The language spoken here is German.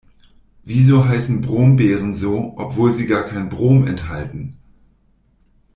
Wieso heißen Brombeeren so, obwohl sie gar kein Brom enthalten?